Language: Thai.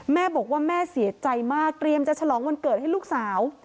แม่บอกว่าแม่เสียใจมากเตรียมจะฉลองวันเกิดให้ลูกสาว